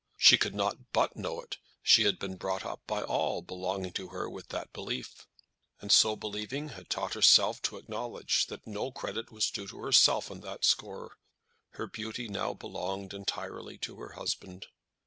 She could not but know it. She had been brought up by all belonging to her with that belief; and so believing, had taught herself to acknowledge that no credit was due to herself on that score. Her beauty now belonged entirely to her husband.